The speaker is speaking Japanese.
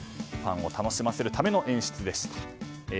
ファンを楽しませるための演出でした。